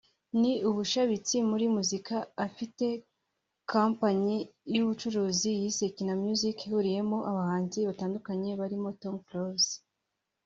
ni ubushabitsi muri muzika afite kompanyi y’ubucuruzi yise Kina Music ihuriyemo abahanzi batandukanye barimo Tom Close